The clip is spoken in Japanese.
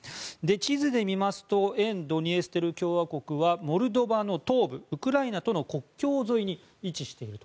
地図で見ますと沿ドニエストル共和国はモルドバの東部ウクライナとの国境沿いに位置している。